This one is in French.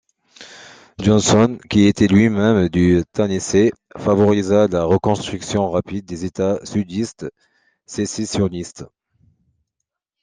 Johnson, qui était lui-même du Tennessee, favorisa la reconstruction rapide des États sudistes sécessionnistes.